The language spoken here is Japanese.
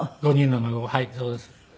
はいそうです。